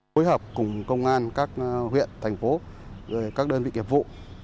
phối hợp cùng công an các huyện thành phố các đơn vị nghiệp vụ